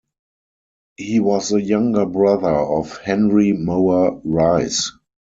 He was the younger brother of Henry Mower Rice.